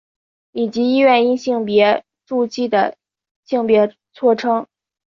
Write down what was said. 以及医院因性别注记的性别错称。